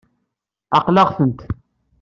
Ɛeqleɣ-tent.